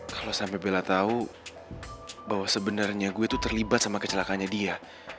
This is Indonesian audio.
kalau sampai bella tahu bahwa sebenarnya saya terlibat dengan kecelakaannya dia